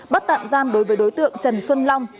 bắt tạm giam đối với đối tượng trần xuân long